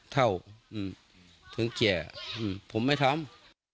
เท่าถึงแก่ผมไม่ทำ